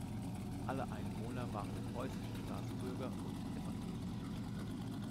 Alle Einwohner waren preußische Staatsbürger und evangelisch.